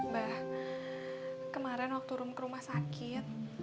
mbah kemarin waktu rom ke rumah sakit